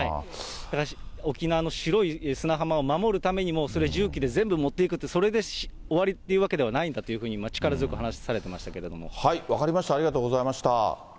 沖縄の白い砂浜を守るために、それ、重機で全部持っていくって、それで終わりっていうわけではないんだというふうに、力強く話さ分かりました、ありがとうございました。